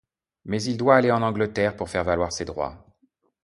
Mais il doit aller en Angleterre pour faire valoir ses droits.